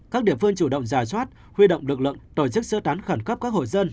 các địa phương chủ động giả soát huy động lực lượng tổ chức sơ tán khẩn cấp các hội dân